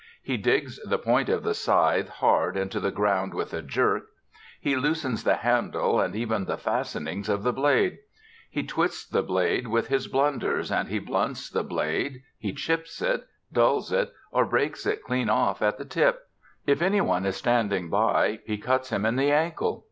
He digs the point of the scythe hard into the ground with a jerk. He loosens the handles and even the fastening of the blade. He twists the blade with his blunders, he blunts the blade, he chips it, dulls it, or breaks it clean off at the tip. If any one is standing by he cuts him in the ankle.